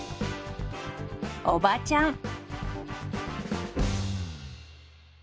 「おばちゃん」。